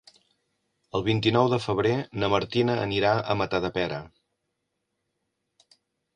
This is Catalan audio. El vint-i-nou de febrer na Martina anirà a Matadepera.